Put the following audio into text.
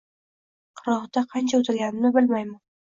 Qirg`oqda qancha o`tirganimni bilmayman